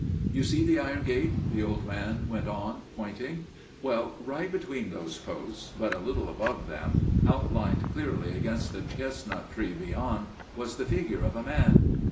"You see the iron gate," the old man went on, pointing. "Well, right between those posts, but a little above them, outlined clearly against the chestnut tree, beyond, was the figure of a man.